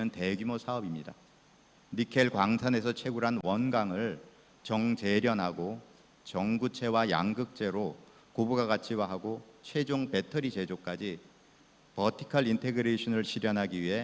dan saya ingin mengucapkan pembahasan terbesar kepada presiden